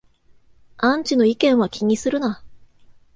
アンチの意見は気にするな